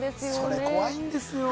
それ、怖いんですよ。